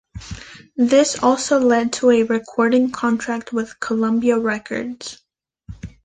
This also led to a recording contract with Columbia Records.